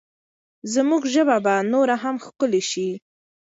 زموږ ژبه به نوره هم ښکلې شي.